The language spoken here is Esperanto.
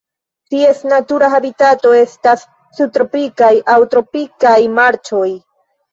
Ties natura habitato estas subtropikaj aŭ tropikaj marĉoj.